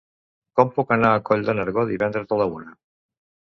Com puc anar a Coll de Nargó divendres a la una?